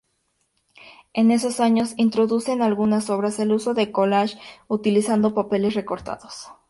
En esos años introduce en algunas obras el uso del collage utilizando papeles recortados.